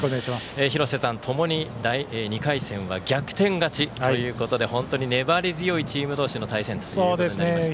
廣瀬さん、ともに２回戦は逆転勝ちということで本当に粘り強いチーム同士の対戦ということになりました。